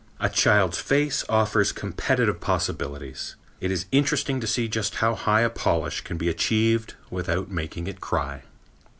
A child's face offers competitive possibilities. It is interesting to see just how high a polish can be achieved without making it cry.